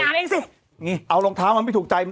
เอาเอาลองเท้านั้นไม่ถูกใจ